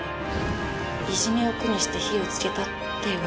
いじめを苦にして火をつけたって言われてて。